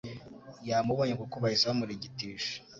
yamubonye kuko bahise bamurigitisha